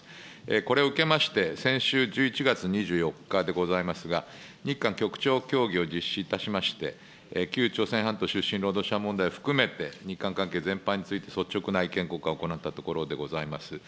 これを受けまして、先週１１月２４日でございますが、日韓局長協議を実施いたしまして、旧朝鮮半島出身労働者問題を含めて、日韓関係全般について率直な意見交換を行ったところでございます。